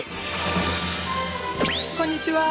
こんにちは。